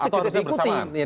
atau harusnya bersamaan